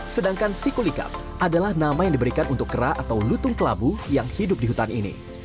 sedangkan sikulikap adalah nama yang diberikan untuk kera atau lutung kelabu yang hidup di hutan ini